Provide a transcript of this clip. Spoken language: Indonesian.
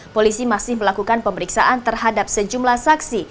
polisi masih melakukan pemeriksaan terhadap sejumlah saksi